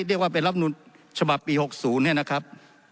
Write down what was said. เรียกว่าเป็นรับนูลฉบับปี๖๐เนี่ยนะครับ